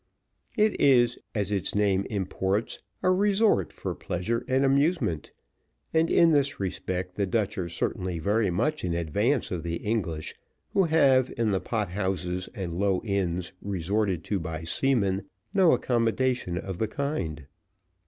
It is, as its name imports, a resort for pleasure and amusement; and in this respect the Dutch are certainly very much in advance of the English, who have, in the pot houses and low inns resorted to by seamen, no accommodation of the kind.